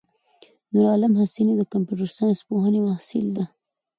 نورعالم حسیني دکمپیوټر ساینس پوهنځی محصل ده.